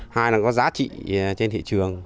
hai là có giá trị trên thị trường